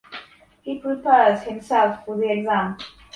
He prepares himself for the exam.